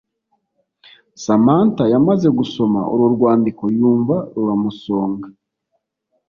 Samantha yamaze gusoma urwo rwandiko yumva ruramusonga